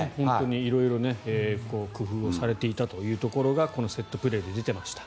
色々工夫をされていたということがこのセットプレーで出ていました。